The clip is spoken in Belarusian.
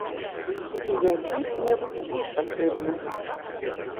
І якіх-небудзь кішак рыбных.